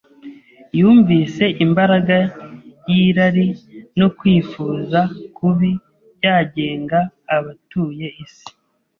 Yumvise imbaraga y’irari no kwifuza kubi byagenga abatuye isi,